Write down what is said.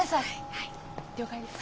はい了解です。